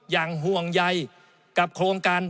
ห่วงใยกับโครงการ